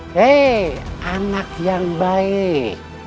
hei anak yang baik